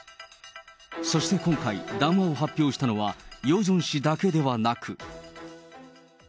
そして今回、談話を発表したのは、ヨジョン氏だけではなく。